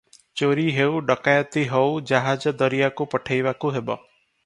ଚୋରି ହେଉ, ଡକାଏତି ହେଉ, ଜାହାଜ ଦରିଆକୁ ପଠାଇବାକୁ ହେବ ।